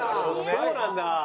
そうなんだ。